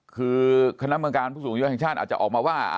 คือคณะกรรมการผู้สูงอายุแห่งชาติอาจจะออกมาว่า